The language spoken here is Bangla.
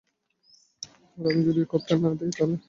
আর আমি যদি করতে না দেই, তাহলে?